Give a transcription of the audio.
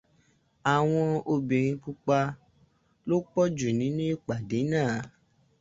Àwọn obìnrin pupa ló pọ̀jù nínú ìpàdé náà.